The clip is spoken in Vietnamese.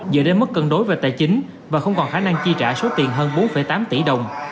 dựa đến mức cân đối về tài chính và không còn khả năng chi trả số tiền hơn bốn tám tỷ đồng